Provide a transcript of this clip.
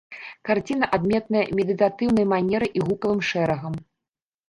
Карціна адметная медытатыўнай манерай і гукавым шэрагам.